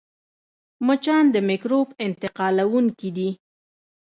مچان د مکروب انتقالوونکي دي